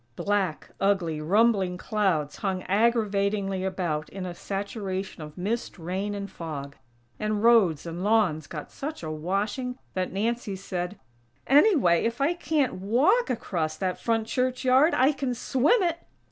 Black, ugly, rumbling clouds hung aggravatingly about in a saturation of mist, rain and fog; and roads and lawns got such a washing that Nancy said: "Anyway, if I can't walk across that front church yard, I can _swim it!!